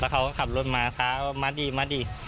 แล้วเขาก็ขับรถมาท้าว่ามาดี